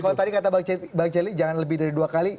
kalau tadi kata bang celi jangan lebih dari dua kali